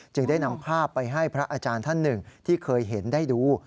ได้นำภาพไปให้พระอาจารย์ท่านหนึ่งที่เคยเห็นได้ดู